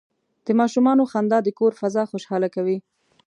د ماشومانو خندا د کور فضا خوشحاله کوي.